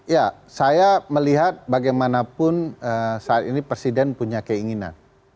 ya saya melihat bagaimanapun saat ini presiden punya keinginan